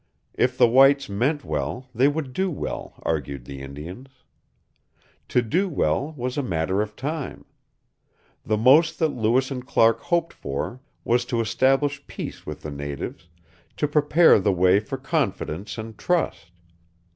If the whites meant well, they would do well, argued the Indians. To do well was a matter of time. The most that Lewis and Clark hoped for was to establish peace with the natives, to prepare the way for confidence and trust.